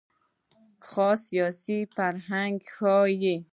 خاص سیاسي فرهنګ ښيي.